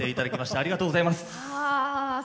ありがとうございます。